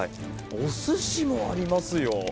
おすしもありますよ。